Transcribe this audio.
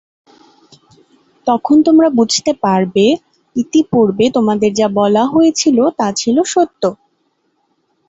তখন তোমরা বুঝতে পারবে, ইতিপূর্বে তোমাদের যা বলা হয়েছিল তা ছিল সত্য।